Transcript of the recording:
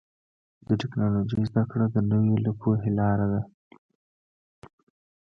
د ټکنالوجۍ زدهکړه د نوې پوهې لاره ده.